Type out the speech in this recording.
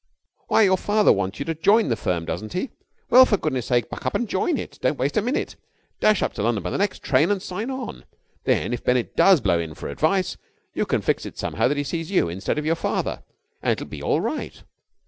"Why, your father wants you to join the firm, doesn't he? Well, for goodness sake, buck up and join it. Don't waste a minute. Dash up to London by the next train, and sign on. Then, if Bennett does blow in for advice, you can fix it somehow that he sees you instead of your father, and it'll be all right.